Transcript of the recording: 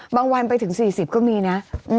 วันไปถึง๔๐ก็มีนะ